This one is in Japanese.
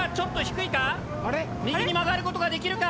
・右に曲がることができるか？